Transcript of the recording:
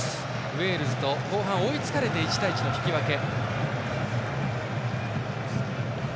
ウェールズに後半、追いつかれて１対１の引き分け。